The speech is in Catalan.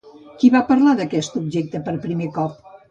Qui va parlar d'aquest objecte per primer cop?